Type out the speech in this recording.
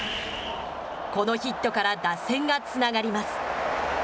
このヒットから打線がつながります。